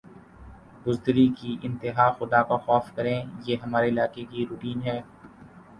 بزدلی کی انتہا خدا کا خوف کریں یہ ہمارے علاقے کی روٹین ھے